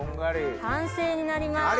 完成になります。